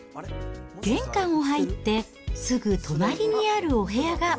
玄関を入って、すぐ隣にあるお部屋が。